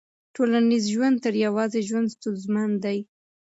ټولنیز ژوند تر يوازي ژوند ستونزمن دی.